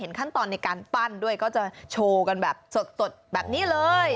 ขั้นตอนในการปั้นด้วยก็จะโชว์กันแบบสดแบบนี้เลย